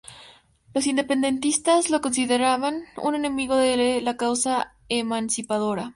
Los independentistas lo consideraban un enemigo de la causa emancipadora.